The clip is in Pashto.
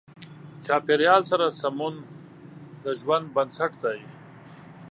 چاپېریال سره سمون د ژوند بنسټ دی.